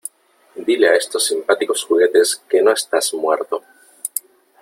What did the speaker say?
Diles a estos simpáticos juguetes que no estás muerto .